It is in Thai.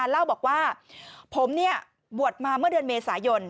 เล่าบอกว่าผมบวชมาเมื่อเดือนเมษายน